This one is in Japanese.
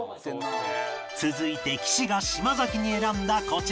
続いて岸が島崎に選んだこちら